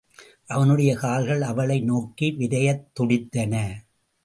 அவனுடைய கால்கள் அவளை நோக்கி விரையத் துடித்தன.